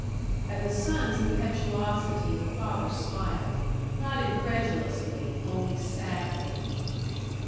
At the son's impetuosity the father smiled; not incredulously, only sadly.